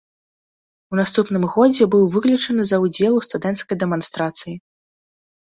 У наступным годзе быў выключаны за ўдзел у студэнцкай дэманстрацыі.